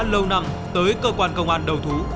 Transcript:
lâu năm tới cơ quan công an đầu thú